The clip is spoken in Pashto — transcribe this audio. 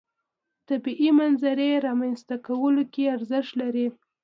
طبیعي منظرې رامنځته کولو کې ارزښت لري.